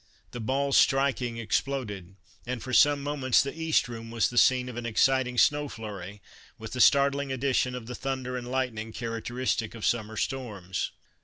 The balls striking ex ploded, and for some moments the East Room was the scene of an exciting snow flurry, with the startling addition of the thunder and lightning characteristic of summer storms.